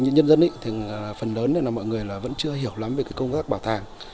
nhân dân thì phần lớn là mọi người là vẫn chưa hiểu lắm về công tác bảo tàng